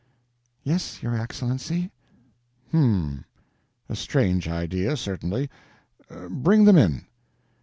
"Yes, your Excellency." "H'm! A strange idea, certainly. Bring them in."